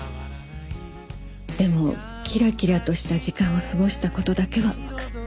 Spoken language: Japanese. でもキラキラとした時間を過ごした事だけはわかった。